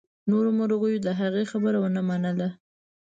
نورو مرغیو د هغې خبره ونه منله.